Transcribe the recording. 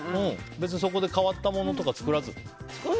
そこで変わったものとか作らず？